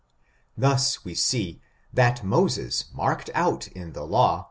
Thus we see that Moses marked out in the law the \ I